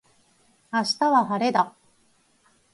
明日は晴れだ。